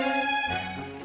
dan jauh dari ibu